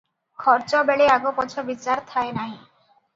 ଖର୍ଚ୍ଚବେଳେ ଆଗପଛ ବିଚାର ଥାଏ ନାହିଁ ।